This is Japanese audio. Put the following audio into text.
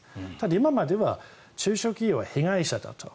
今までは中小企業は被害者だと。